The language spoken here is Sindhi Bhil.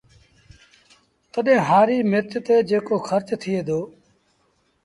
تڏهيݩ هآريٚ مرچ تي جيڪو کرچ ٿئي دو